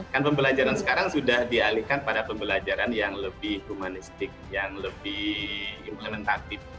kan pembelajaran sekarang sudah dialihkan pada pembelajaran yang lebih humanistik yang lebih implementatif